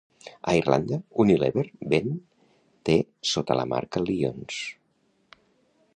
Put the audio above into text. A Irlanda, Unilever ven te sota la marca Lyons.